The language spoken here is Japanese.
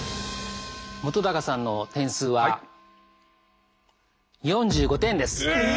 本さんの点数は４５点です。え！